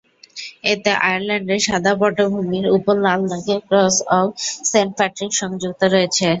এতে আয়ারল্যান্ডের সাদা পটভূমির উপর লাল দাগের ক্রস অব সেন্ট প্যাট্রিক সংযুক্ত রয়েছে।